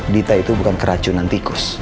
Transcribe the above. dita itu bukan keracunan tikus